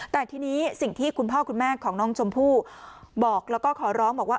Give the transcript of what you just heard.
แต่ทีนี้สิ่งที่คุณพ่อคุณแม่ของน้องชมพู่บอกแล้วก็ขอร้องบอกว่า